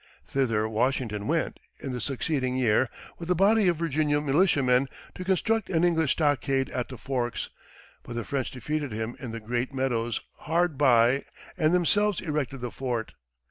Thither Washington went, in the succeeding year, with a body of Virginia militiamen, to construct an English stockade at the forks; but the French defeated him in the Great Meadows hard by and themselves erected the fort.